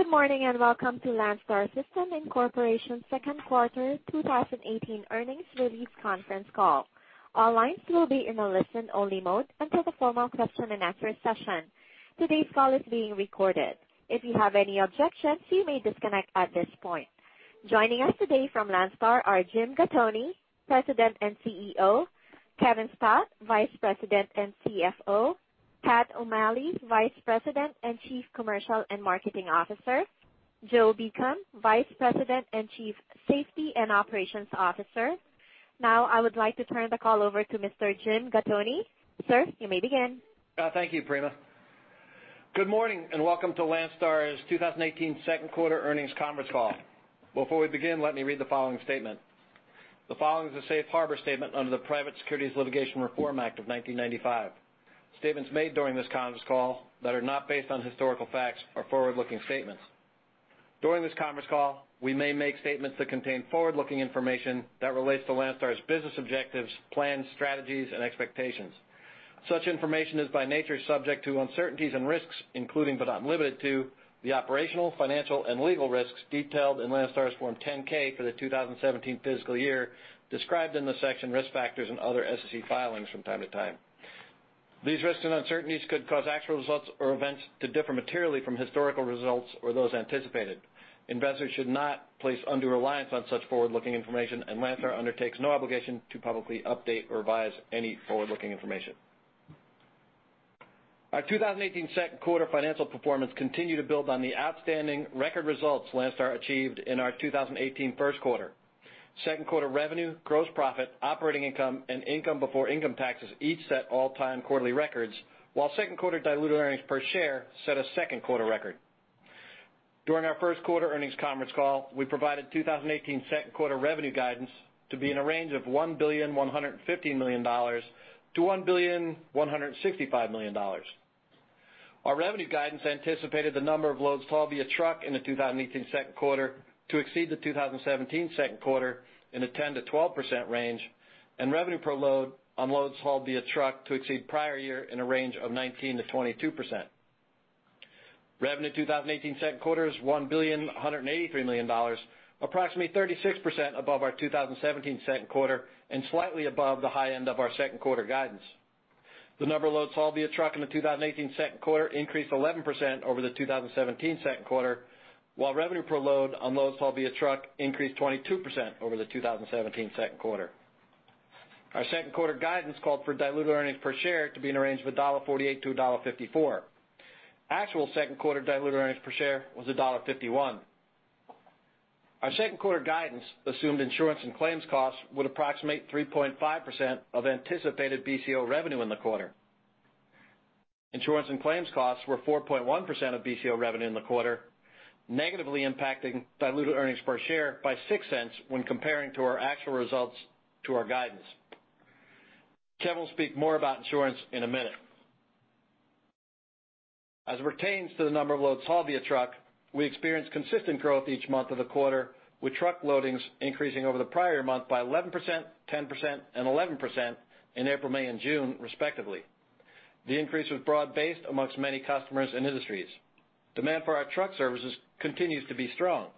Good morning, and welcome to Landstar System, Inc.'s second quarter 2018 earnings release conference call. All lines will be in a listen-only mode until the formal question and answer session. Today's call is being recorded. If you have any objections, you may disconnect at this point. Joining us today from Landstar are Jim Gattoni, President and CEO, Kevin Stout, Vice President and CFO, Pat O'Malley, Vice President and Chief Commercial and Marketing Officer, and Joe Beacom, Vice President and Chief Safety and Operations Officer. Now, I would like to turn the call over to Mr. Jim Gattoni. Sir, you may begin. Thank you, Prima. Good morning, and welcome to Landstar's 2018 second quarter earnings conference call. Before we begin, let me read the following statement. The following is a safe harbor statement under the Private Securities Litigation Reform Act of 1995. Statements made during this conference call that are not based on historical facts are forward-looking statements. During this conference call, we may make statements that contain forward-looking information that relates to Landstar's business objectives, plans, strategies, and expectations. Such information is, by nature, subject to uncertainties and risks, including, but not limited to, the operational, financial, and legal risks detailed in Landstar's Form 10-K for the 2017 fiscal year, described in the section Risk Factors and other SEC filings from time to time. These risks and uncertainties could cause actual results or events to differ materially from historical results or those anticipated. Investors should not place undue reliance on such forward-looking information, and Landstar undertakes no obligation to publicly update or revise any forward-looking information. Our 2018 second quarter financial performance continued to build on the outstanding record results Landstar achieved in our 2018 first quarter. Second quarter revenue, gross profit, operating income, and income before income taxes each set all-time quarterly records, while second quarter diluted earnings per share set a second quarter record. During our first quarter earnings conference call, we provided 2018 second quarter revenue guidance to be in a range of $1.15 billion-$1.165 billion. Our revenue guidance anticipated the number of loads hauled via truck in the 2018 second quarter to exceed the 2017 second quarter in a 10%-12% range, and revenue per load on loads hauled via truck to exceed prior year in a range of 19%-22%. Revenue in 2018 second quarter is $1.183 billion, approximately 36% above our 2017 second quarter, and slightly above the high end of our second quarter guidance. The number of loads hauled via truck in the 2018 second quarter increased 11% over the 2017 second quarter, while revenue per load on loads hauled via truck increased 22% over the 2017 second quarter. Our second quarter guidance called for diluted earnings per share to be in a range of $1.48-$1.54. Actual second quarter diluted earnings per share was $1.51. Our second quarter guidance assumed insurance and claims costs would approximate 3.5% of anticipated BCO revenue in the quarter. Insurance and claims costs were 4.1% of BCO revenue in the quarter, negatively impacting diluted earnings per share by $0.06 when comparing to our actual results to our guidance. Kevin will speak more about insurance in a minute. As it pertains to the number of loads hauled via truck, we experienced consistent growth each month of the quarter, with truck loadings increasing over the prior month by 11%, 10%, and 11% in April, May, and June, respectively. The increase was broad-based among many customers and industries. Demand for our truck services continues to be strong.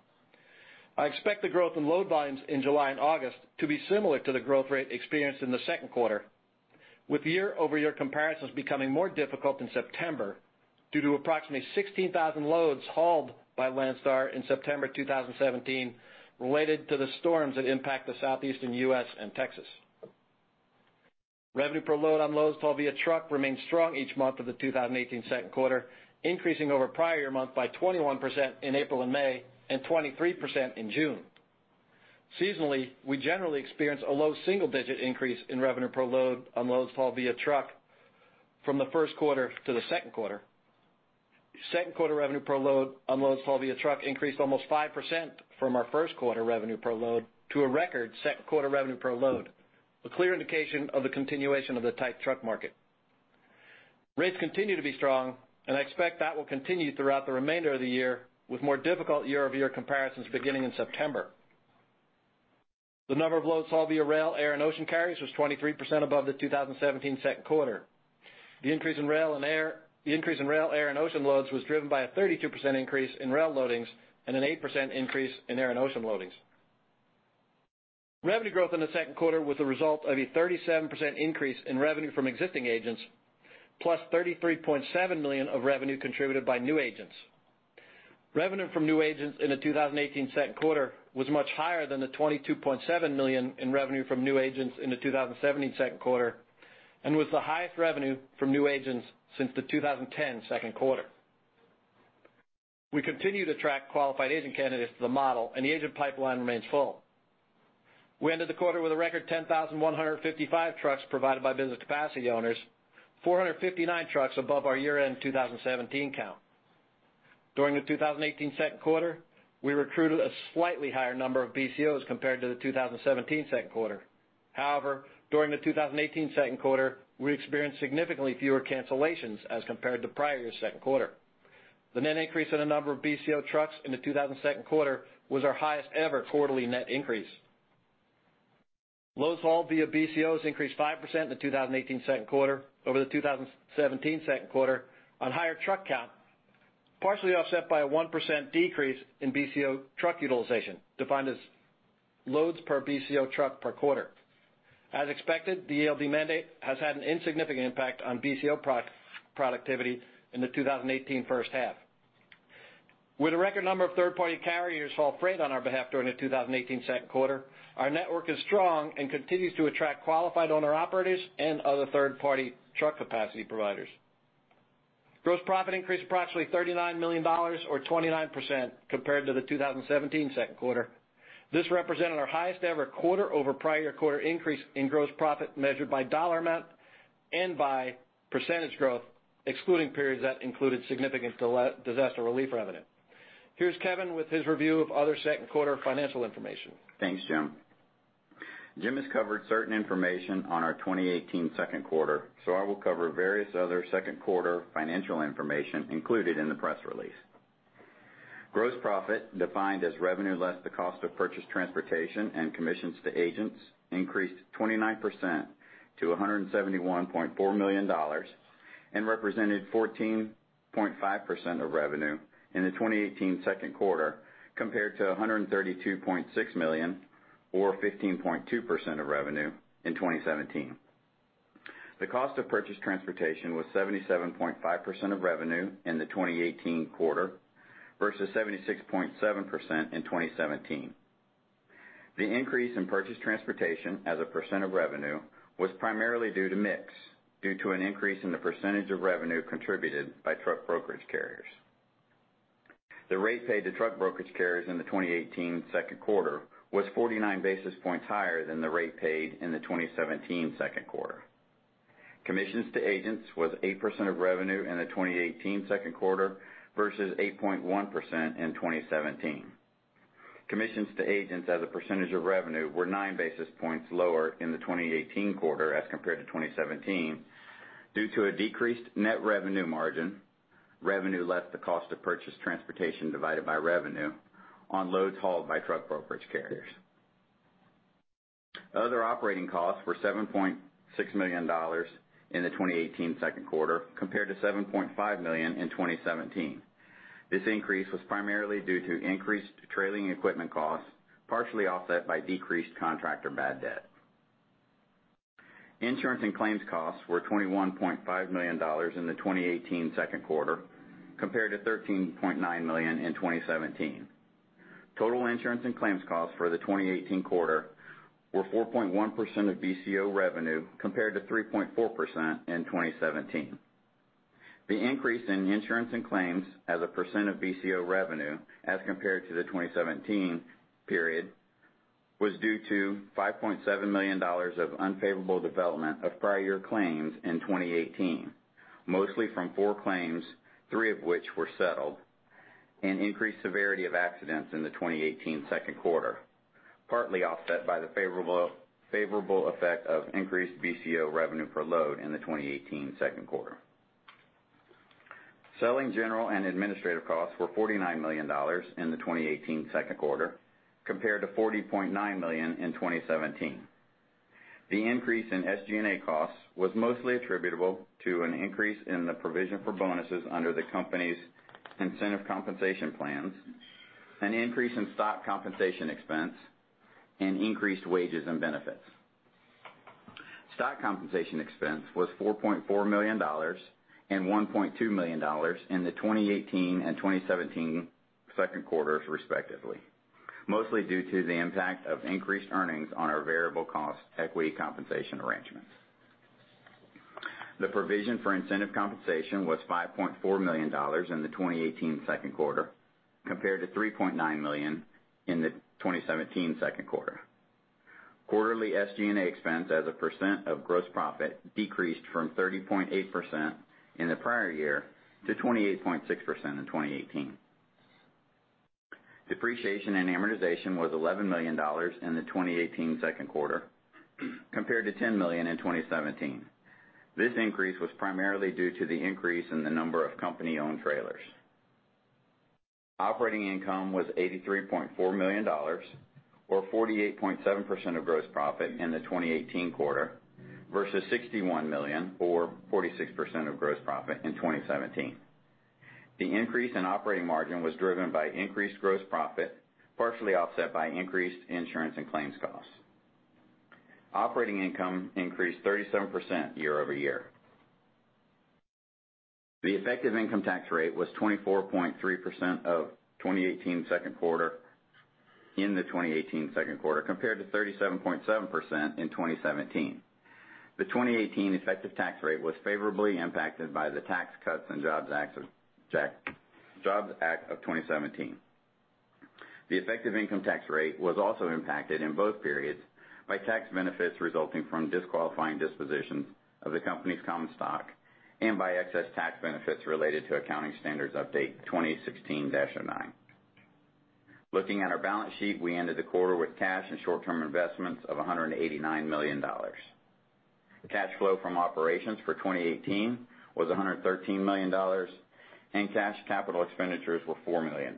I expect the growth in load volumes in July and August to be similar to the growth rate experienced in the second quarter, with year-over-year comparisons becoming more difficult in September, due to approximately 16,000 loads hauled by Landstar in September 2017 related to the storms that impact the Southeastern U.S. and Texas. Revenue per load on loads hauled via truck remained strong each month of the 2018 second quarter, increasing over prior month by 21% in April and May, and 23% in June. Seasonally, we generally experience a low single-digit increase in revenue per load on loads hauled via truck from the first quarter to the second quarter. Second quarter revenue per load on loads hauled via truck increased almost 5% from our first quarter revenue per load to a record second quarter revenue per load, a clear indication of the continuation of the tight truck market. Rates continue to be strong, and I expect that will continue throughout the remainder of the year, with more difficult year-over-year comparisons beginning in September. The number of loads hauled via rail, air, and ocean carriers was 23% above the 2017 second quarter. The increase in rail, air, and ocean loads was driven by a 32% increase in rail loadings and an 8% increase in air and ocean loadings. Revenue growth in the second quarter was the result of a 37% increase in revenue from existing agents, plus $33.7 million of revenue contributed by new agents. Revenue from new agents in the 2018 second quarter was much higher than the $22.7 million in revenue from new agents in the 2017 second quarter and was the highest revenue from new agents since the 2010 second quarter. We continue to attract qualified agent candidates to the model, and the agent pipeline remains full. We ended the quarter with a record 10,155 trucks provided by business capacity owners, 459 trucks above our year-end 2017 count. During the 2018 second quarter, we recruited a slightly higher number of BCOs compared to the 2017 second quarter. However, during the 2018 second quarter, we experienced significantly fewer cancellations as compared to prior year's second quarter. The net increase in the number of BCO trucks in the 2018 second quarter was our highest ever quarterly net increase. Loads hauled via BCOs increased 5% in the 2018 second quarter, over the 2017 second quarter, on higher truck count, partially offset by a 1% decrease in BCO truck utilization, defined as loads per BCO truck per quarter. As expected, the ELD mandate has had an insignificant impact on BCO productivity in the 2018 first half. With a record number of third-party carriers haul freight on our behalf during the 2018 second quarter, our network is strong and continues to attract qualified owner-operators and other third-party truck capacity providers. Gross profit increased approximately $39 million or 29% compared to the 2017 second quarter. This represented our highest ever quarter over prior quarter increase in gross profit measured by dollar amount and by percentage growth, excluding periods that included significant disaster relief revenue. Here's Kevin with his review of other second quarter financial information. Thanks, Jim. Jim has covered certain information on our 2018 second quarter, so I will cover various other second quarter financial information included in the press release. Gross profit, defined as revenue less the cost of purchased transportation and commissions to agents, increased 29% to $171.4 million, and represented 14.5% of revenue in the 2018 second quarter, compared to $132.6 million, or 15.2% of revenue, in 2017. The cost of purchased transportation was 77.5% of revenue in the 2018 quarter, versus 76.7% in 2017. The increase in purchased transportation as a percent of revenue was primarily due to mix, due to an increase in the percentage of revenue contributed by truck brokerage carriers. The rate paid to truck brokerage carriers in the 2018 second quarter was 49 basis points higher than the rate paid in the 2017 second quarter. Commissions to agents was 8% of revenue in the 2018 second quarter, versus 8.1% in 2017. Commissions to agents as a percentage of revenue were 9 basis points lower in the 2018 quarter as compared to 2017 due to a decreased net revenue margin, revenue less the cost of purchased transportation divided by revenue, on loads hauled by truck brokerage carriers. Other operating costs were $7.6 million in the 2018 second quarter, compared to $7.5 million in 2017. This increase was primarily due to increased trailing equipment costs, partially offset by decreased contractor bad debt. Insurance and claims costs were $21.5 million in the 2018 second quarter, compared to $13.9 million in 2017. Total insurance and claims costs for the 2018 quarter were 4.1% of BCO revenue, compared to 3.4% in 2017. The increase in insurance and claims as a percent of BCO revenue as compared to the 2017 period, was due to $5.7 million of unfavorable development of prior year claims in 2018, mostly from four claims, three of which were settled, and increased severity of accidents in the 2018 second quarter, partly offset by the favorable effect of increased BCO revenue per load in the 2018 second quarter. Selling, general, and administrative costs were $49 million in the 2018 second quarter, compared to $40.9 million in 2017. The increase in SG&A costs was mostly attributable to an increase in the provision for bonuses under the company's incentive compensation plans, an increase in stock compensation expense, and increased wages and benefits. Stock compensation expense was $4.4 million and $1.2 million in the 2018 and 2017 second quarters, respectively, mostly due to the impact of increased earnings on our variable cost equity compensation arrangements. The provision for incentive compensation was $5.4 million in the 2018 second quarter, compared to $3.9 million in the 2017 second quarter. Quarterly SG&A expense as a percent of gross profit decreased from 30.8% in the prior year to 28.6% in 2018. Depreciation and amortization was $11 million in the 2018 second quarter, compared to $10 million in 2017. This increase was primarily due to the increase in the number of company-owned trailers. Operating income was $83.4 million, or 48.7% of gross profit in the 2018 quarter, versus $61 million, or 46% of gross profit in 2017. The increase in operating margin was driven by increased gross profit, partially offset by increased insurance and claims costs. Operating income increased 37% year-over-year. The effective income tax rate was 24.3% for the 2018 second quarter, in the 2018 second quarter, compared to 37.7% in 2017. The 2018 effective tax rate was favorably impacted by the Tax Cuts and Jobs Act of 2017. The effective income tax rate was also impacted in both periods by tax benefits resulting from disqualifying dispositions of the company's common stock, and by excess tax benefits related to Accounting Standards Update 2016-09. Looking at our balance sheet, we ended the quarter with cash and short-term investments of $189 million. The cash flow from operations for 2018 was $113 million, and cash capital expenditures were $4 million.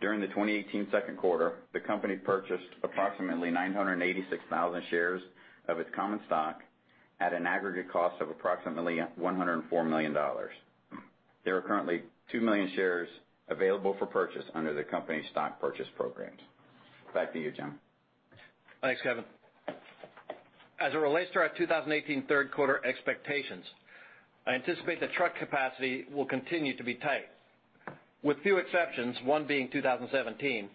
During the 2018 second quarter, the company purchased approximately 986,000 shares of its common stock at an aggregate cost of approximately $104 million. There are currently 2 million shares available for purchase under the company's stock purchase programs. Back to you, Jim. Thanks, Kevin. As it relates to our 2018 third quarter expectations, I anticipate the truck capacity will continue to be tight. With few exceptions, one being 2017,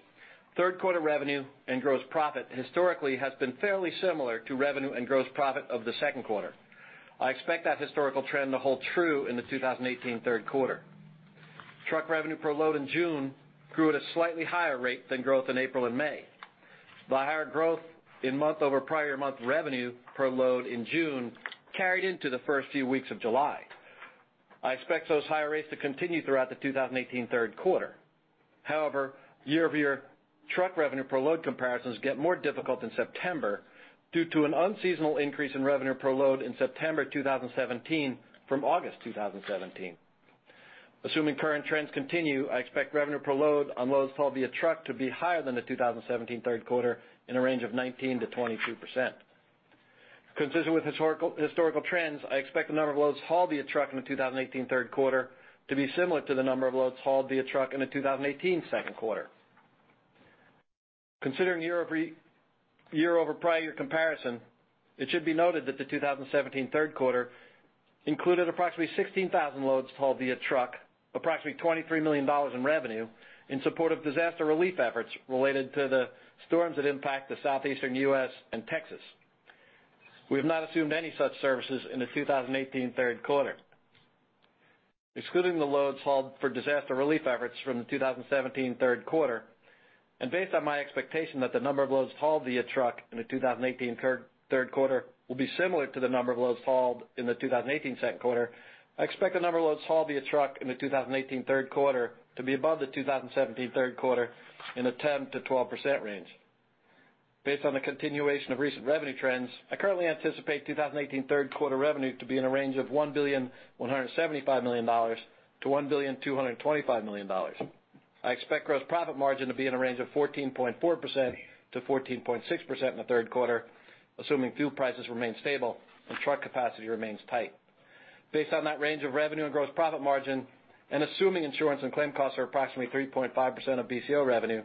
third quarter revenue and gross profit historically has been fairly similar to revenue and gross profit of the second quarter. I expect that historical trend to hold true in the 2018 third quarter. Truck revenue per load in June grew at a slightly higher rate than growth in April and May. The higher growth in month over prior month revenue per load in June carried into the first few weeks of July. I expect those higher rates to continue throughout the 2018 third quarter. However, year-over-year truck revenue per load comparisons get more difficult in September due to an unseasonal increase in revenue per load in September 2017 from August 2017. Assuming current trends continue, I expect revenue per load on loads hauled via truck to be higher than the 2017 third quarter in a range of 19%-22%. Consistent with historical trends, I expect the number of loads hauled via truck in the 2018 third quarter to be similar to the number of loads hauled via truck in the 2018 second quarter. Considering year-over-year prior year comparison, it should be noted that the 2017 third quarter included approximately 16,000 loads hauled via truck, approximately $23 million in revenue, in support of disaster relief efforts related to the storms that impact the Southeastern US and Texas. We have not assumed any such services in the 2018 third quarter. Excluding the loads hauled for disaster relief efforts from the 2017 third quarter, and based on my expectation that the number of loads hauled via truck in the 2018 third quarter will be similar to the number of loads hauled in the 2018 second quarter, I expect the number of loads hauled via truck in the 2018 third quarter to be above the 2017 third quarter in the 10%-12% range. Based on the continuation of recent revenue trends, I currently anticipate 2018 third quarter revenue to be in a range of $1.175 billion to $1.225 billion. I expect gross profit margin to be in a range of 14.4%-14.6% in the third quarter, assuming fuel prices remain stable and truck capacity remains tight. Based on that range of revenue and gross profit margin, and assuming insurance and claim costs are approximately 3.5% of BCO revenue,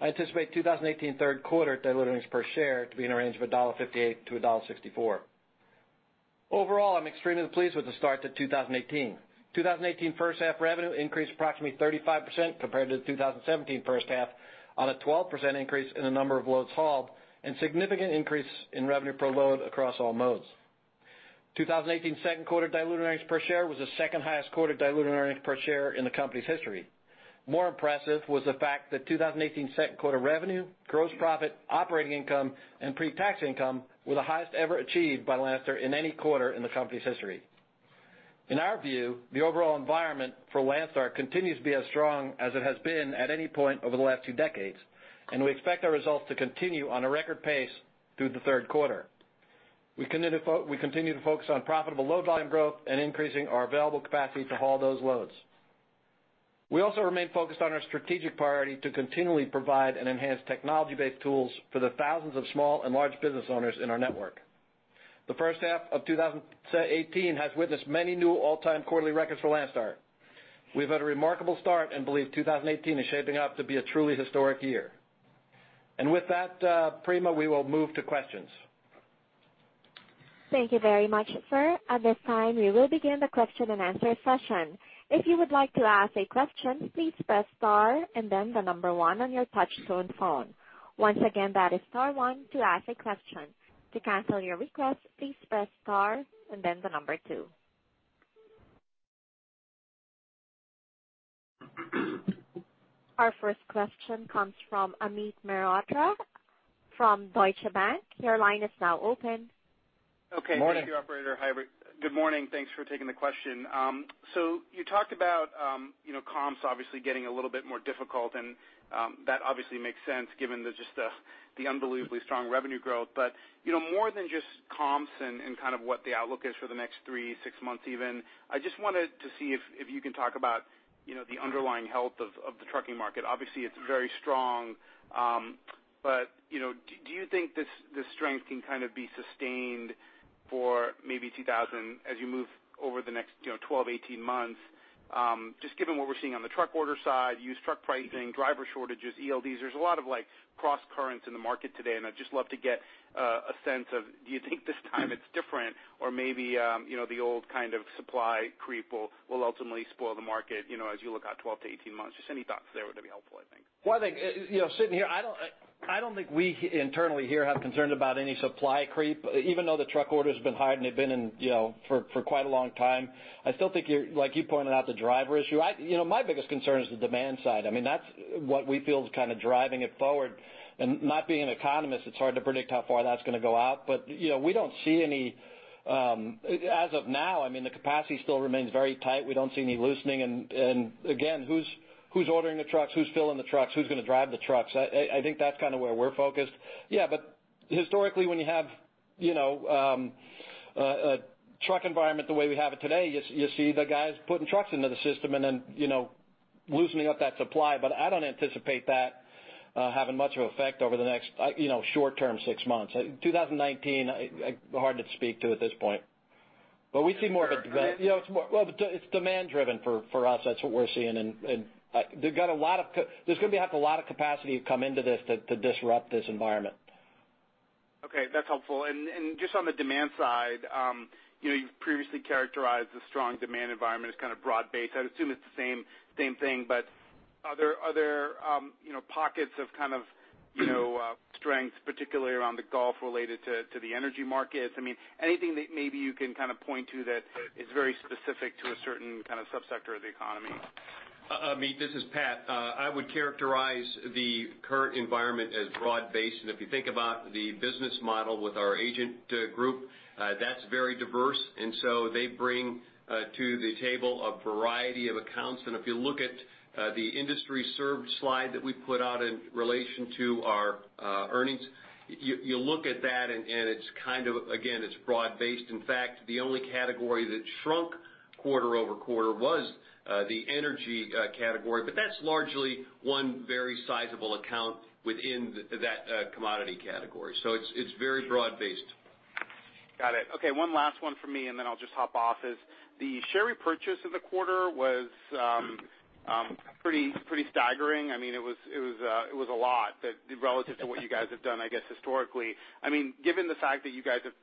I anticipate 2018 third quarter diluted earnings per share to be in a range of $1.58-$1.64. Overall, I'm extremely pleased with the start to 2018. 2018 first half revenue increased approximately 35% compared to the 2017 first half, on a 12% increase in the number of loads hauled and significant increase in revenue per load across all modes. 2018 second quarter diluted earnings per share was the second highest quarter diluted earnings per share in the company's history. More impressive was the fact that 2018 second quarter revenue, gross profit, operating income, and pre-tax income were the highest ever achieved by Landstar in any quarter in the company's history. In our view, the overall environment for Landstar continues to be as strong as it has been at any point over the last two decades, and we expect our results to continue on a record pace through the third quarter. We continue to focus on profitable load volume growth and increasing our available capacity to haul those loads. We also remain focused on our strategic priority to continually provide and enhance technology-based tools for the thousands of small and large business owners in our network. The first half of 2018 has witnessed many new all-time quarterly records for Landstar. We've had a remarkable start and believe 2018 is shaping up to be a truly historic year. With that, Prima, we will move to questions. Thank you very much, sir. At this time, we will begin the question and answer session. If you would like to ask a question, please press star and then the number one on your touch-tone phone. Once again, that is star one to ask a question. To cancel your request, please press star and then the number two. Our first question comes from Amit Mehrotra from Deutsche Bank. Your line is now open. Morning. Okay, thank you, operator. Hi, good morning, thanks for taking the question. So you talked about, you know, comps obviously getting a little bit more difficult, and, that obviously makes sense given the just, the unbelievably strong revenue growth. But, you know, more than just comps and, and kind of what the outlook is for the next three, six months even, I just wanted to see if, if you can talk about, you know, the underlying health of, of the trucking market. Obviously, it's very strong, but, you know, do you think this, this strength can kind of be sustained for maybe 2000, as you move over the next, you know, 12, 18 months? Just given what we're seeing on the truck order side, used truck pricing, driver shortages, ELDs, there's a lot of like crosscurrents in the market today, and I'd just love to get a sense of, do you think this time it's different? Or maybe, you know, the old kind of supply creep will ultimately spoil the market, you know, as you look out 12-18 months. Just any thoughts there would be helpful, I think. Well, I think, you know, sitting here, I don't think we internally here have concerns about any supply creep. Even though the truck orders have been higher than they've been in, you know, for quite a long time, I still think like you pointed out, the driver issue. You know, my biggest concern is the demand side. I mean, that's what we feel is kind of driving it forward. Not being an economist, it's hard to predict how far that's going to go out. But, you know, as of now, I mean, the capacity still remains very tight. We don't see any loosening, and again, who's ordering the trucks? Who's filling the trucks? Who's going to drive the trucks? I think that's kind of where we're focused. Yeah, but historically, when you have, you know, a truck environment the way we have it today, you see the guys putting trucks into the system and then, you know, loosening up that supply. But I don't anticipate that having much of effect over the next, you know, short term, six months. 2019, hard to speak to at this point, but we see more of a. Well, it's demand driven for us, that's what we're seeing. And they've got a lot of. There's going to have to be a lot of capacity to come into this to disrupt this environment. Okay, that's helpful. And just on the demand side, you know, you've previously characterized the strong demand environment as kind of broad-based. I'd assume it's the same thing, but are there pockets of kind of, you know, strength, particularly around the Gulf related to the energy markets? I mean, anything that maybe you can kind of point to that is very specific to a certain kind of subsector of the economy. Amit, this is Pat. I would characterize the current environment as broad-based. And if you think about the business model with our agent group, that's very diverse, and so they bring to the table a variety of accounts. And if you look at the industry served slide that we put out in relation to our earnings, you look at that and it's kind of, again, it's broad-based. In fact, the only category that shrunk quarter-over-quarter was the energy category, but that's largely one very sizable account within that commodity category. So it's very broad-based. Got it. Okay, one last one from me, and then I'll just hop off, is the share repurchase of the quarter was pretty staggering. I mean, it was a lot that relative to what you guys have done, I guess, historically. I mean, given the fact that you guys have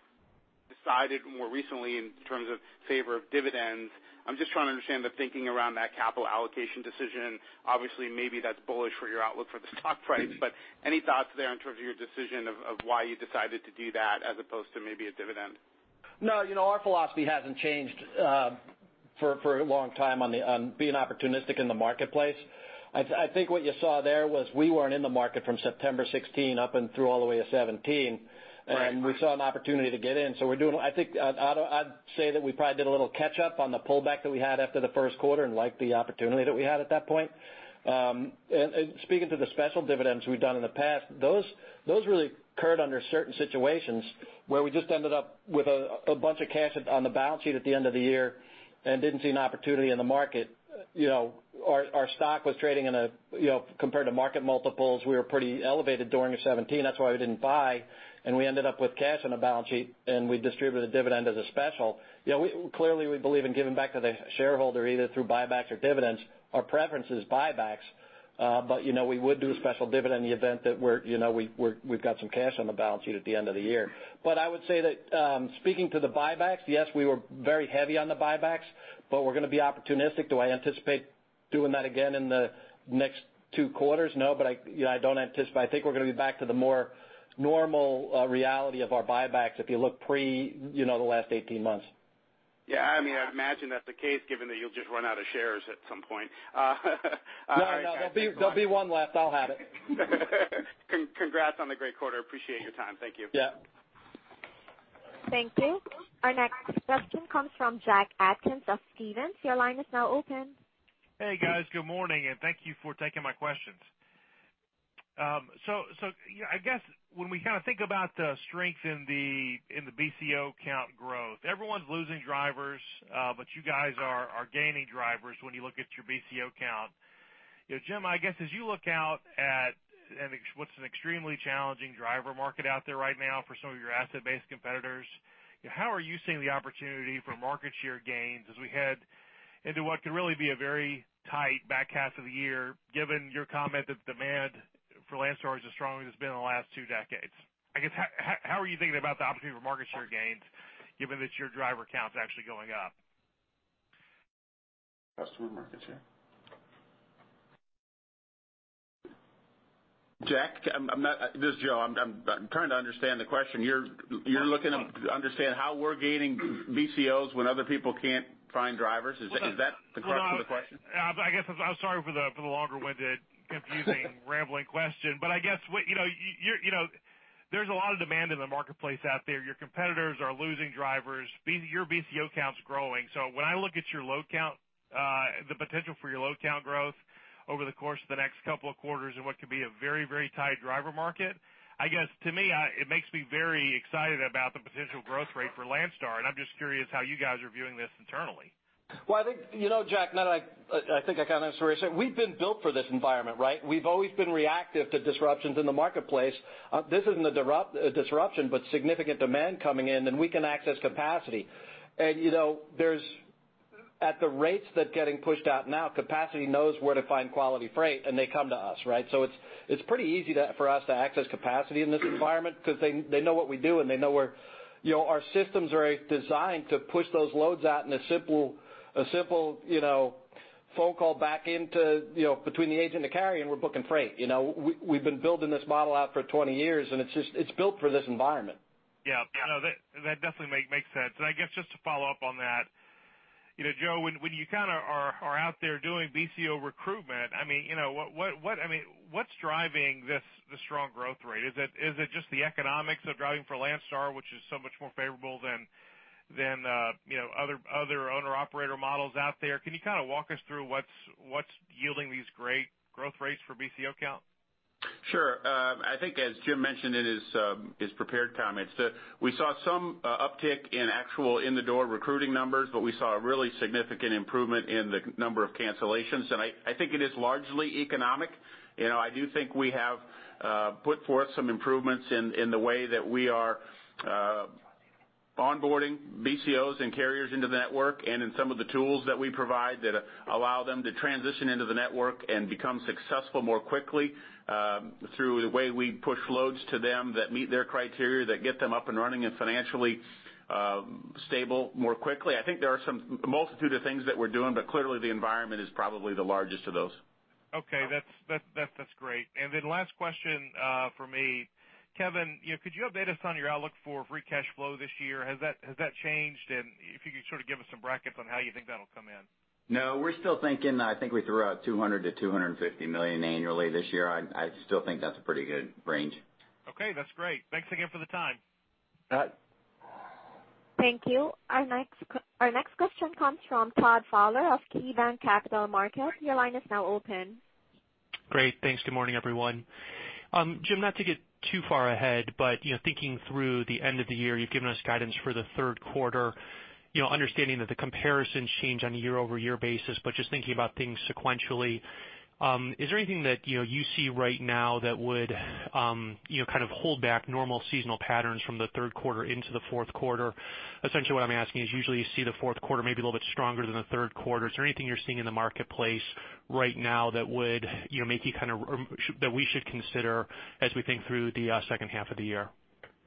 decided more recently in terms of favor of dividends, I'm just trying to understand the thinking around that capital allocation decision. Obviously, maybe that's bullish for your outlook for the stock price, but any thoughts there in terms of your decision of why you decided to do that as opposed to maybe a dividend? No, you know, our philosophy hasn't changed for a long time on being opportunistic in the marketplace. I think what you saw there was we weren't in the market from September 2016 up and through all the way to 2017. Right. And we saw an opportunity to get in, so we're doing... I think, I'd, I'd say that we probably did a little catch up on the pullback that we had after the first quarter and liked the opportunity that we had at that point. And, and speaking to the special dividends we've done in the past, those, those really occurred under certain situations where we just ended up with a, a bunch of cash on the balance sheet at the end of the year and didn't see an opportunity in the market. You know, our, our stock was trading in a, you know, compared to market multiples, we were pretty elevated during 2017. That's why we didn't buy, and we ended up with cash on the balance sheet, and we distributed a dividend as a special. You know, clearly, we believe in giving back to the shareholder, either through buybacks or dividends. Our preference is buybacks, but you know, we would do a special dividend in the event that we're, you know, we've got some cash on the balance sheet at the end of the year. But I would say that, speaking to the buybacks, yes, we were very heavy on the buybacks, but we're going to be opportunistic. Do I anticipate doing that again in the next two quarters? No, but you know, I don't anticipate. I think we're going to be back to the more normal reality of our buybacks if you look pre, you know, the last 18 months. Yeah, I mean, I'd imagine that's the case, given that you'll just run out of shares at some point. No, no, there'll be one left. I'll have it. Congrats on the great quarter. Appreciate your time. Thank you. Yeah. Thank you. Our next question comes from Jack Atkins of Stephens. Your line is now open. Hey, guys. Good morning, and thank you for taking my questions. So, I guess when we kind of think about the strength in the BCO count growth, everyone's losing drivers, but you guys are gaining drivers when you look at your BCO count. You know, Jim, I guess as you look out at an extremely challenging driver market out there right now for some of your asset-based competitors, how are you seeing the opportunity for market share gains as we head into what could really be a very tight back half of the year, given your comment that demand for Landstar is as strong as it's been in the last two decades? I guess, how are you thinking about the opportunity for market share gains, given that your driver count is actually going up? Customer market share. Jack, this is Joe. I'm trying to understand the question. You're looking to understand how we're gaining BCOs when other people can't find drivers? Is that the crux of the question? I guess I'm sorry for the, for the longer-winded, confusing, rambling question, but I guess, what, you know, you know, there's a lot of demand in the marketplace out there. Your competitors are losing drivers. Your BCO count's growing. So when I look at your load count, the potential for your load count growth over the course of the next couple of quarters in what could be a very, very tight driver market, I guess to me, it makes me very excited about the potential growth rate for Landstar, and I'm just curious how you guys are viewing this internally. Well, I think, you know, Jack, now I, I think I kind of understand what you're saying. We've been built for this environment, right? We've always been reactive to disruptions in the marketplace. This isn't a disruption, but significant demand coming in, and we can access capacity. And you know, there's, at the rates that are getting pushed out now, capacity knows where to find quality freight, and they come to us, right? So it's pretty easy for us to access capacity in this environment because they know what we do, and they know we're, you know, our systems are designed to push those loads out in a simple, you know, phone call back into, you know, between the agent and the carrier, and we're booking freight. You know, we, we've been building this model out for 20 years, and it's just, it's built for this environment. Yeah. I know that definitely makes sense. I guess just to follow up on that. You know, Joe, when you kind of are out there doing BCO recruitment, I mean, you know, what I mean, what's driving this the strong growth rate? Is it just the economics of driving for Landstar, which is so much more favorable than you know, other owner operator models out there? Can you kind of walk us through what's yielding these great growth rates for BCO count? Sure. I think as Jim mentioned in his his prepared comments, that we saw some uptick in actual in-the-door recruiting numbers, but we saw a really significant improvement in the number of cancellations, and I I think it is largely economic. You know, I do think we have put forth some improvements in in the way that we are onboarding BCOs and carriers into the network, and in some of the tools that we provide that allow them to transition into the network and become successful more quickly, through the way we push loads to them that meet their criteria, that get them up and running and financially stable more quickly. I think there are some multitude of things that we're doing, but clearly, the environment is probably the largest of those. Okay, that's great. And then last question from me. Kevin, could you update us on your outlook for free cash flow this year? Has that changed? And if you could sort of give us some brackets on how you think that'll come in. No, we're still thinking, I think we threw out $200 million-$250 million annually this year. I, I still think that's a pretty good range. Okay, that's great. Thanks again for the time. Uh- Thank you. Our next question comes from Todd Fowler of KeyBanc Capital Markets. Your line is now open. Great. Thanks. Good morning, everyone. Jim, not to get too far ahead, but, you know, thinking through the end of the year, you've given us guidance for the third quarter. You know, understanding that the comparisons change on a year-over-year basis, but just thinking about things sequentially, is there anything that, you know, you see right now that would, you know, kind of hold back normal seasonal patterns from the third quarter into the fourth quarter? Essentially, what I'm asking is, usually you see the fourth quarter maybe a little bit stronger than the third quarter. Is there anything you're seeing in the marketplace right now that would, you know, make you kind of that we should consider as we think through the second half of the year?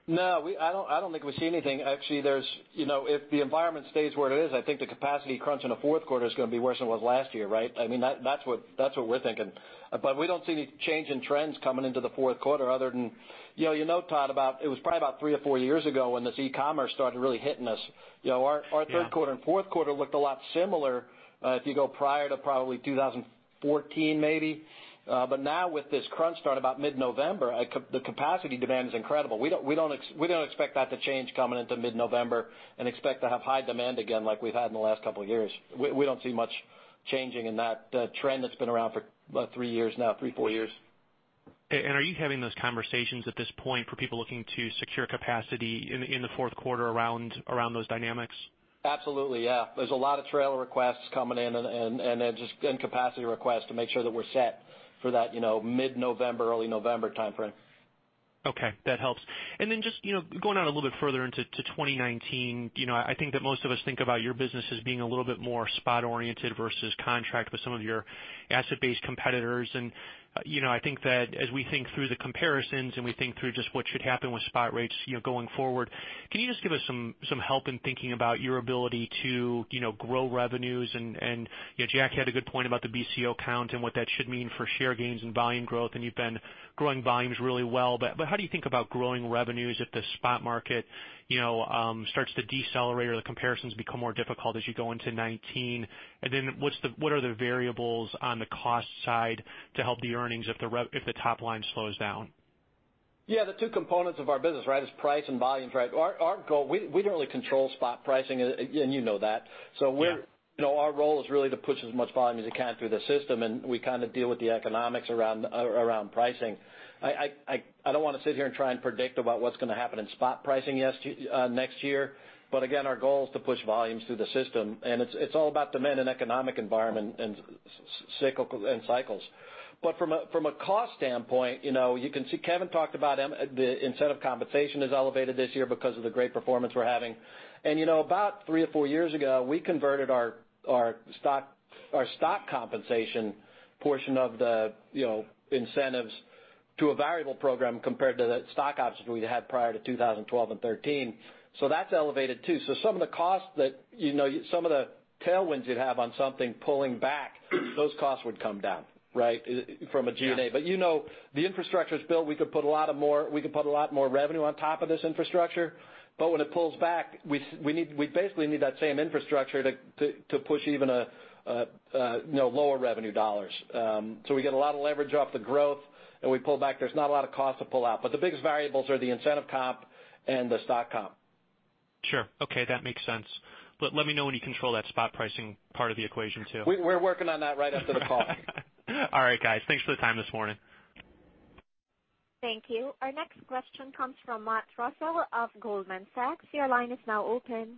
No, I don't, I don't think we see anything. Actually, there's, you know, if the environment stays where it is, I think the capacity crunch in the fourth quarter is going to be worse than it was last year, right? I mean, that, that's what, that's what we're thinking. But we don't see any change in trends coming into the fourth quarter other than, you know, you know, Todd, about, it was probably about three or four years ago when this e-commerce started really hitting us. You know, our- Yeah... our third quarter and fourth quarter looked a lot similar, if you go prior to probably 2014 maybe. But now with this crunch starting about mid-November, the capacity demand is incredible. We don't expect that to change coming into mid-November and expect to have high demand again, like we've had in the last couple of years. We don't see much changing in that trend that's been around for about three years now, three, four years. Are you having those conversations at this point for people looking to secure capacity in the fourth quarter around those dynamics? Absolutely, yeah. There's a lot of trailer requests coming in and then just capacity requests to make sure that we're set for that, you know, mid-November, early November timeframe. Okay, that helps. And then just, you know, going out a little bit further into 2019, you know, I think that most of us think about your business as being a little bit more spot oriented versus contract with some of your asset-based competitors. And, you know, I think that as we think through the comparisons and we think through just what should happen with spot rates, you know, going forward, can you just give us some help in thinking about your ability to, you know, grow revenues? And, you know, Jack had a good point about the BCO count and what that should mean for share gains and volume growth, and you've been growing volumes really well. But how do you think about growing revenues if the spot market, you know, starts to decelerate or the comparisons become more difficult as you go into 2019? And then what are the variables on the cost side to help the earnings if the top line slows down? Yeah, the two components of our business, right, is price and volumes, right? Our goal, we don't really control spot pricing, and you know that. Yeah. So we're, you know, our role is really to push as much volume as we can through the system, and we kind of deal with the economics around pricing. I don't want to sit here and try and predict about what's going to happen in spot pricing next year, but again, our goal is to push volumes through the system, and it's all about demand and economic environment and cyclical and cycles. But from a cost standpoint, you know, you can see Kevin talked about the incentive compensation is elevated this year because of the great performance we're having. You know, about three or four years ago, we converted our stock compensation portion of the, you know, incentives to a variable program compared to the stock options we had prior to 2012 and 2013. So that's elevated, too. So some of the costs that, you know, some of the tailwinds you'd have on something pulling back, those costs would come down, right, from a G&A. Yeah. But, you know, the infrastructure is built. We could put a lot more revenue on top of this infrastructure, but when it pulls back, we basically need that same infrastructure to push even a you know lower revenue dollars. So we get a lot of leverage off the growth, and we pull back, there's not a lot of cost to pull out. But the biggest variables are the incentive comp and the stock comp. Sure. Okay, that makes sense. But let me know when you control that spot pricing part of the equation, too. We're working on that right after the call. All right, guys. Thanks for the time this morning. Thank you. Our next question comes from Matt Reustle of Goldman Sachs. Your line is now open.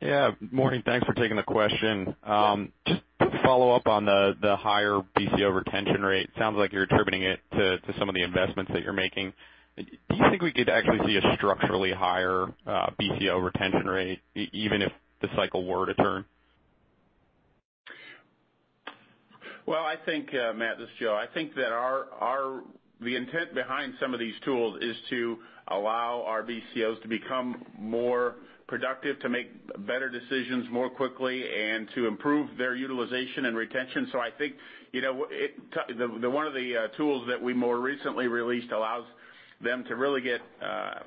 Yeah, morning. Thanks for taking the question. Just to follow up on the higher BCO retention rate, sounds like you're attributing it to some of the investments that you're making. Do you think we could actually see a structurally higher BCO retention rate, even if the cycle were to turn? Well, I think, Matt, this is Joe. I think that our-... the intent behind some of these tools is to allow our BCOs to become more productive, to make better decisions more quickly, and to improve their utilization and retention. So I think, you know, one of the tools that we more recently released allows them to really get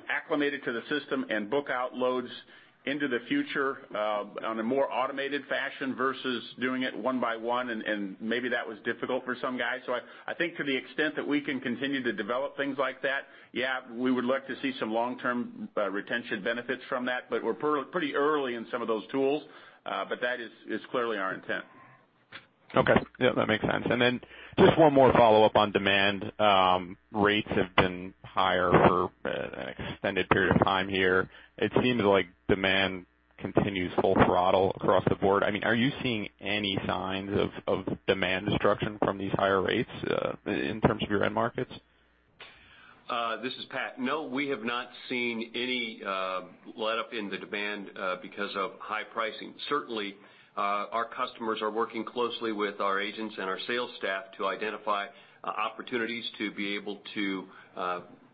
acclimated to the system and book out loads into the future on a more automated fashion versus doing it one by one, and maybe that was difficult for some guys. So I think to the extent that we can continue to develop things like that, yeah, we would look to see some long-term retention benefits from that, but we're pretty early in some of those tools. But that is clearly our intent. Okay. Yeah, that makes sense. And then just one more follow-up on demand. Rates have been higher for an extended period of time here. It seems like demand continues full throttle across the board. I mean, are you seeing any signs of demand destruction from these higher rates in terms of your end markets? This is Pat. No, we have not seen any letup in the demand because of high pricing. Certainly, our customers are working closely with our agents and our sales staff to identify opportunities to be able to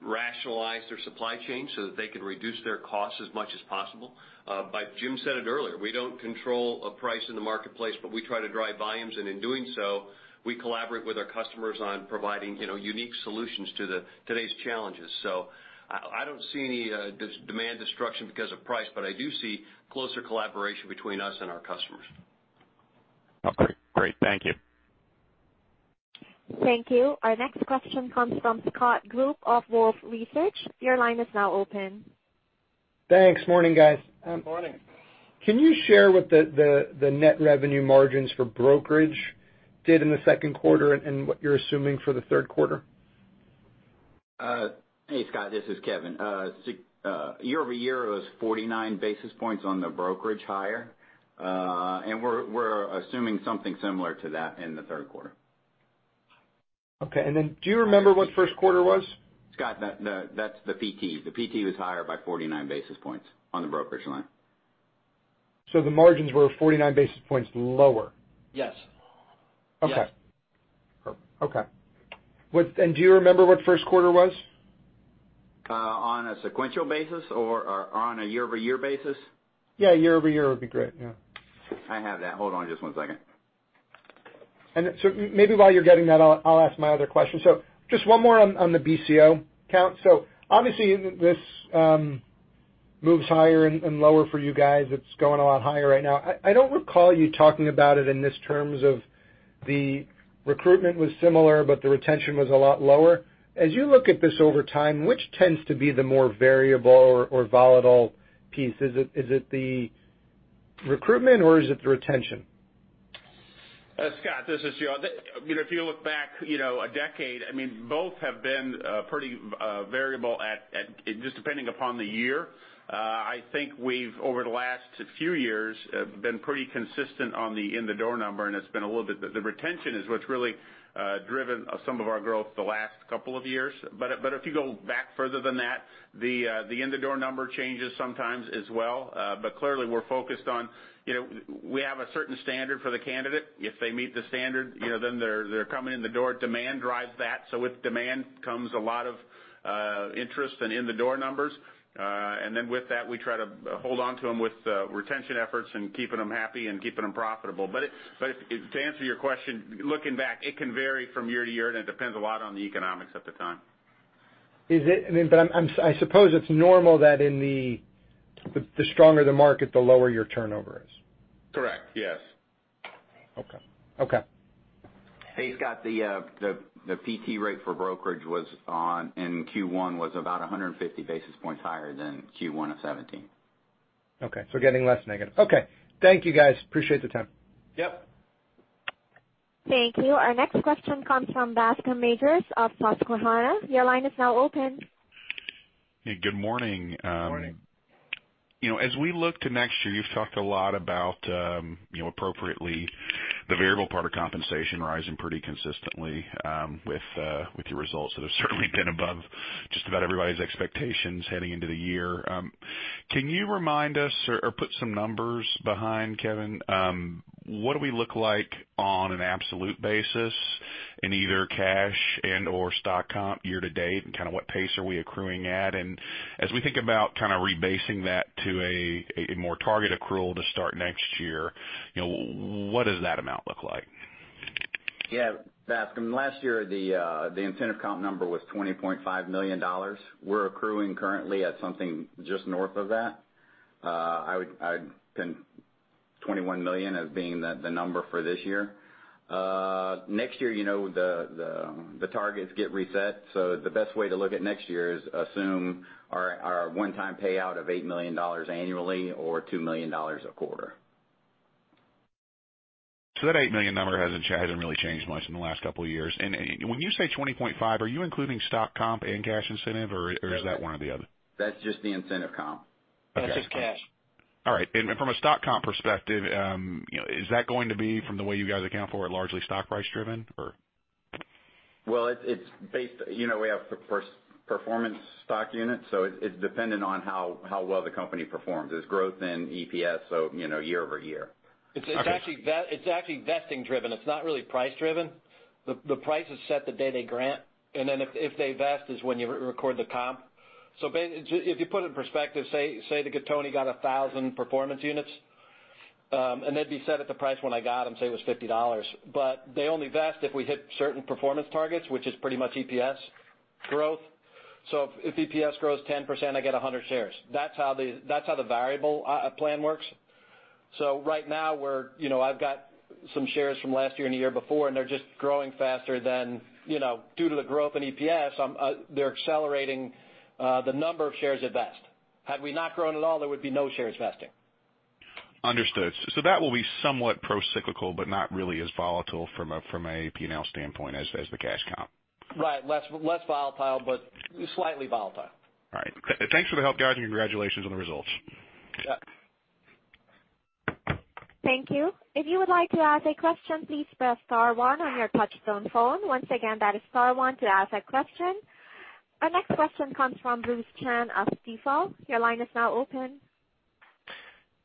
rationalize their supply chain so that they can reduce their costs as much as possible. But Jim said it earlier, we don't control a price in the marketplace, but we try to drive volumes. And in doing so, we collaborate with our customers on providing, you know, unique solutions to today's challenges. So I don't see any demand destruction because of price, but I do see closer collaboration between us and our customers. Okay, great. Thank you. Thank you. Our next question comes from Scott Group of Wolfe Research. Your line is now open. Thanks. Morning, guys. Morning. Can you share what the net revenue margins for brokerage did in the second quarter and what you're assuming for the third quarter? Hey, Scott, this is Kevin. Year-over-year, it was 49 basis points on the brokerage higher. And we're assuming something similar to that in the third quarter. Okay. And then do you remember what first quarter was? Scott, that's the PT. The PT was higher by 49 basis points on the brokerage line. The margins were 49 basis points lower? Yes. Okay. Yes. Perfect. Okay. What... and do you remember what first quarter was? On a sequential basis or, or on a year-over-year basis? Yeah, year-over-year would be great, yeah. I have that. Hold on just one second. And so maybe while you're getting that, I'll ask my other question. So just one more on, on the BCO count. So obviously, this moves higher and, and lower for you guys. It's going a lot higher right now. I don't recall you talking about it in these terms of the recruitment was similar, but the retention was a lot lower. As you look at this over time, which tends to be the more variable or, or volatile piece? Is it, is it the recruitment, or is it the retention? Scott, this is Joe. The, you know, if you look back, you know, a decade, I mean, both have been pretty variable at, just depending upon the year. I think we've, over the last few years, have been pretty consistent on the in-the-door number, and it's been a little bit- the, the retention is what's really driven some of our growth the last couple of years. But if you go back further than that, the, the in-the-door number changes sometimes as well. But clearly, we're focused on, you know, we have a certain standard for the candidate. If they meet the standard, you know, then they're coming in the door. Demand drives that, so with demand comes a lot of interest and in-the-door numbers. And then with that, we try to hold on to them with retention efforts and keeping them happy and keeping them profitable. But to answer your question, looking back, it can vary from year to year, and it depends a lot on the economics at the time. But I suppose it's normal that in the stronger the market, the lower your turnover is. Correct, yes. Okay. Okay. Hey, Scott, the PT rate for brokerage, in Q1, was about 150 basis points higher than Q1 of 2017. Okay, so getting less negative. Okay. Thank you, guys. Appreciate the time. Yep. Thank you. Our next question comes from Bascome Majors of Susquehanna. Your line is now open. Hey, good morning. Good morning. You know, as we look to next year, you've talked a lot about, you know, appropriately, the variable part of compensation rising pretty consistently, with, with your results that have certainly been above just about everybody's expectations heading into the year. Can you remind us or, or put some numbers behind, Kevin, what do we look like on an absolute basis in either cash and/or stock comp year to date, and kind of what pace are we accruing at? And as we think about kind of rebasing that to a, a more target accrual to start next year, you know, what does that amount look like? Yeah, Bascome, last year, the incentive comp number was $20.5 million. We're accruing currently at something just north of that. I'd pin $21 million as being the number for this year. Next year, you know, the targets get reset, so the best way to look at next year is assume our one-time payout of $8 million annually or $2 million a quarter. So that $8 million number hasn't really changed much in the last couple of years. And when you say $20.5 million, are you including stock comp and cash incentive, or is that one or the other? That's just the incentive comp. Okay. That's just cash. All right. And from a stock comp perspective, you know, is that going to be, from the way you guys account for it, largely stock price driven, or? Well, it's based. You know, we have performance stock units, so it's dependent on how well the company performs. There's growth in EPS, so, you know, year-over-year. It's actually vesting driven. It's not really price driven. The price is set the day they grant, and then if they vest, is when you re-record the comp. So if you put it in perspective, say that Gattoni got 1,000 performance units, and they'd be set at the price when I got them, say it was $50. But they only vest if we hit certain performance targets, which is pretty much EPS growth. So if EPS grows 10%, I get 100 shares. That's how the variable plan works. So right now, we're, you know, I've got some shares from last year and the year before, and they're just growing faster than, you know, due to the growth in EPS, they're accelerating the number of shares at best. Had we not grown at all, there would be no shares vesting. Understood. So that will be somewhat procyclical, but not really as volatile from a, from a P&L standpoint as, as the cash comp? Right, less volatile, but slightly volatile. All right. Thanks for the help, guys, and congratulations on the results. Yeah. Thank you. If you would like to ask a question, please press star one on your touchtone phone. Once again, that is star one to ask a question. Our next question comes from Bruce Chan of Stifel. Your line is now open.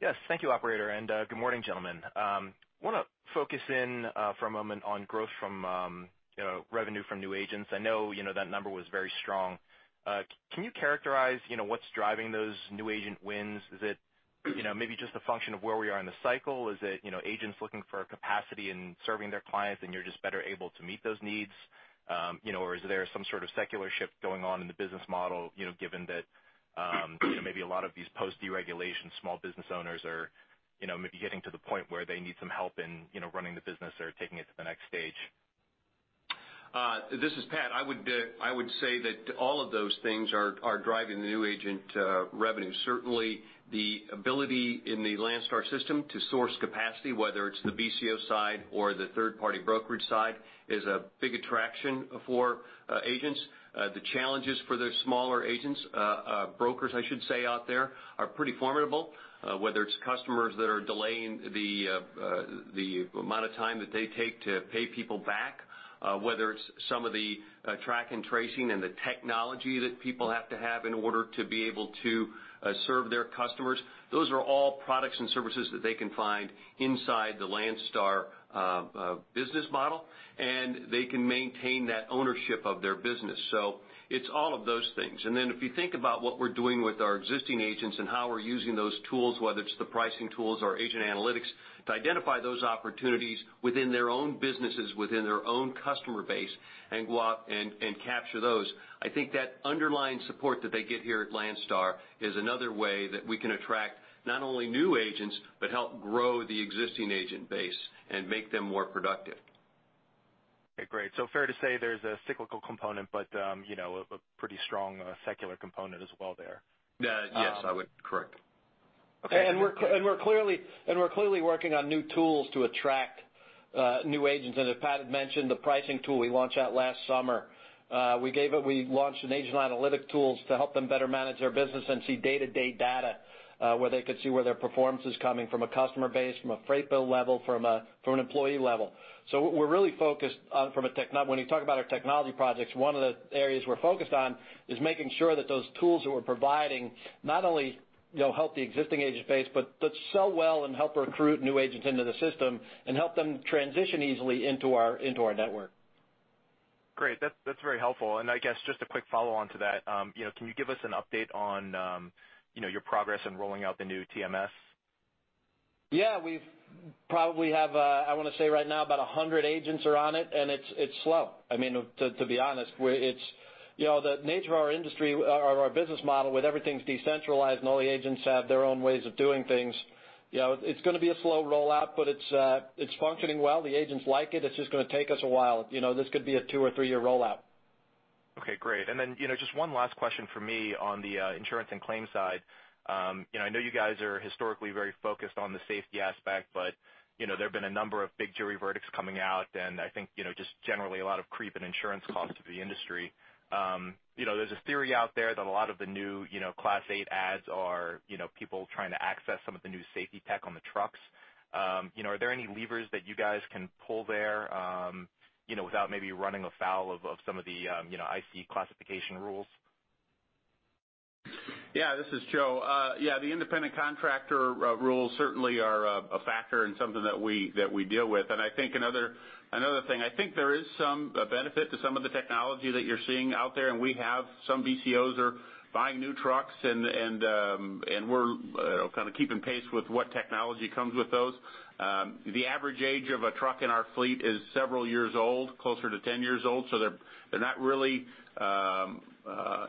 Yes, thank you, operator, and, good morning, gentlemen. Want to focus in, for a moment on growth from, you know, revenue from new agents. I know, you know, that number was very strong. Can you characterize, you know, what's driving those new agent wins? Is it, you know, maybe just a function of where we are in the cycle? Is it, you know, agents looking for a capacity in serving their clients, and you're just better able to meet those needs? You know, or is there some sort of secular shift going on in the business model, you know, given that, maybe a lot of these post-deregulation small business owners are, you know, maybe getting to the point where they need some help in, you know, running the business or taking it to the next stage? This is Pat. I would, I would say that all of those things are driving the new agent revenue. Certainly, the ability in the Landstar system to source capacity, whether it's the BCO side or the third-party brokerage side, is a big attraction for agents. The challenges for those smaller agents, brokers, I should say, out there, are pretty formidable. Whether it's customers that are delaying the amount of time that they take to pay people back, whether it's some of the track and tracing and the technology that people have to have in order to be able to serve their customers, those are all products and services that they can find inside the Landstar business model, and they can maintain that ownership of their business. So it's all of those things. And then, if you think about what we're doing with our existing agents and how we're using those tools, whether it's the pricing tools or agent analytics, to identify those opportunities within their own businesses, within their own customer base, and go out and, and capture those, I think that underlying support that they get here at Landstar is another way that we can attract not only new agents, but help grow the existing agent base and make them more productive. Okay, great. So fair to say there's a cyclical component, but, you know, a pretty strong, secular component as well there? Yes, I would... Correct. Okay, and we're clearly working on new tools to attract new agents. And as Pat had mentioned, the pricing tool we launched out last summer. We launched agent analytics tools to help them better manage their business and see day-to-day data, where they could see their performance is coming from a customer base, from a freight bill level, from an employee level. So what we're really focused on from a tech now, when you talk about our technology projects, one of the areas we're focused on is making sure that those tools that we're providing not only, you know, help the existing agent base, but sell well and help recruit new agents into the system and help them transition easily into our network. Great. That's very helpful. I guess just a quick follow-on to that. You know, can you give us an update on, you know, your progress in rolling out the new TMS? Yeah, we've probably have, I want to say right now, about 100 agents are on it, and it's, it's slow. I mean, to be honest, it's, you know, the nature of our industry, or our business model, with everything's decentralized, and all the agents have their own ways of doing things, you know, it's gonna be a slow rollout, but it's, it's functioning well. The agents like it. It's just gonna take us a while. You know, this could be a two- or three-year rollout. Okay, great. And then, you know, just one last question from me on the insurance and claims side. You know, I know you guys are historically very focused on the safety aspect, but, you know, there have been a number of big jury verdicts coming out, and I think, you know, just generally a lot of creep in insurance costs to the industry. You know, there's a theory out there that a lot of the new, you know, Class 8 adds are, you know, people trying to access some of the new safety tech on the trucks. You know, are there any levers that you guys can pull there, you know, without maybe running afoul of some of the, you know, IC classification rules? Yeah, this is Joe. Yeah, the independent contractor rules certainly are a factor and something that we deal with. And I think another thing, I think there is some benefit to some of the technology that you're seeing out there, and we have some BCOs are buying new trucks, and we're kind of keeping pace with what technology comes with those. The average age of a truck in our fleet is several years old, closer to 10 years old, so they're not really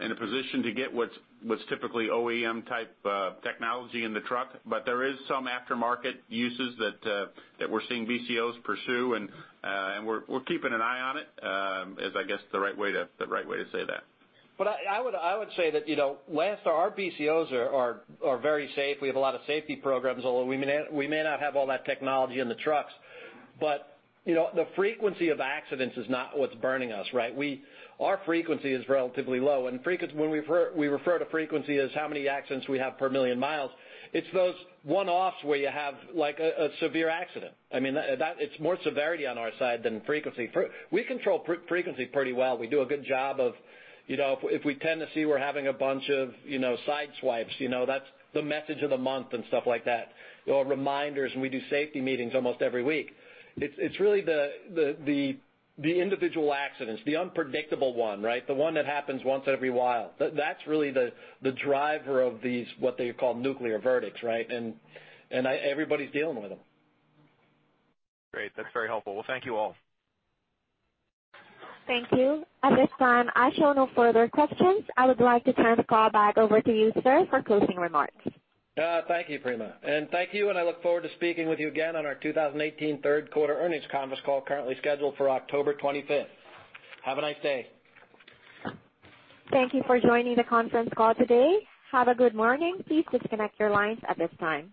in a position to get what's typically OEM-type technology in the truck. But there is some aftermarket uses that we're seeing BCOs pursue, and we're keeping an eye on it is, I guess, the right way to say that. But I would say that, you know, Landstar's BCOs are very safe. We have a lot of safety programs, although we may not have all that technology in the trucks, but, you know, the frequency of accidents is not what's burning us, right? Our frequency is relatively low, and when we refer, we refer to frequency as how many accidents we have per million miles. It's those one-offs where you have, like, a severe accident. I mean, that-- it's more severity on our side than frequency. We control frequency pretty well. We do a good job of, you know, if we tend to see we're having a bunch of, you know, sideswipes, you know, that's the message of the month and stuff like that, or reminders, and we do safety meetings almost every week. It's really the individual accidents, the unpredictable one, right? The one that happens once every while. That's really the driver of these, what they call nuclear verdicts, right? And I... Everybody's dealing with them. Great. That's very helpful. Well, thank you, all. Thank you. At this time, I show no further questions. I would like to turn the call back over to you, sir, for closing remarks. Thank you, Prima, and thank you, and I look forward to speaking with you again on our 2018 third quarter earnings conference call, currently scheduled for October 25th. Have a nice day. Thank you for joining the conference call today. Have a good morning. Please disconnect your lines at this time.